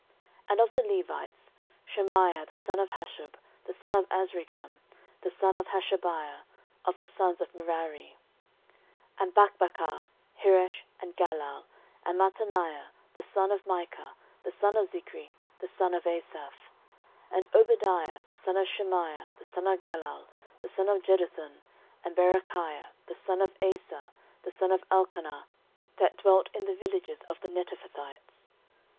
13:009:014 And of the Levites; Shemaiah the son of Hasshub, the son of Azrikam, the son of Hashabiah, of the sons of Merari; 13:009:015 And Bakbakkar, Heresh, and Galal, and Mattaniah the son of Micah, the son of Zichri, the son of Asaph; 13:009:016 And Obadiah the son of Shemaiah, the son of Galal, the son of Jeduthun, and Berechiah the son of Asa, the son of Elkanah, that dwelt in the villages of the Netophathites.